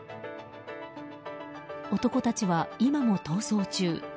男たちは今も逃走中。